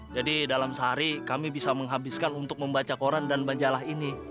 jadi dalam sehari kami bisa menghabiskan untuk membaca koran dan majalah ini